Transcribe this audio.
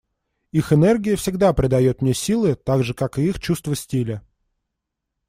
Их энергия всегда придает мне силы, так же как и их чувство стиля.